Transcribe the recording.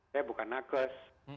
saya bukan nakes